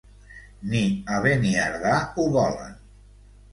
Ni a Beniardà ho volen!